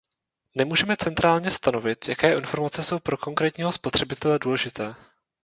Nemůžeme centrálně stanovit, jaké informace jsou pro konkrétního spotřebitele důležité.